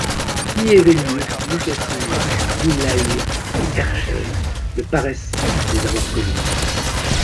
Ni Hévélius, ni Cassini, ni La Hire, ni Herschel ne paraissent les avoir connues.